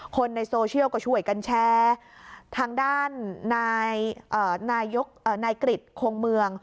คนในโซเชียลก็ช่วยกันแชร์ทางด้านนายกริจโคงเมือง